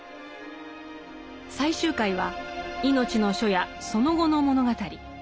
最終回は「いのちの初夜」その後の物語。